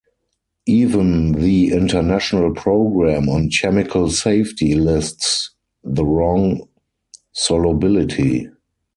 Even the International Programme on Chemical Safety lists the wrong solubility.